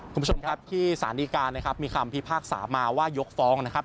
คุณผู้ชมครับที่สารดีการนะครับมีคำพิพากษามาว่ายกฟ้องนะครับ